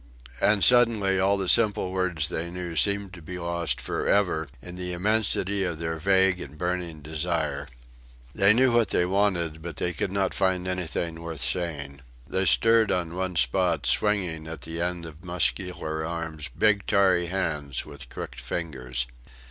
And suddenly all the simple words they knew seemed to be lost for ever in the immensity of their vague and burning desire. They knew what they wanted, but they could not find anything worth saying. They stirred on one spot, swinging, at the end of muscular arms, big tarry hands with crooked fingers.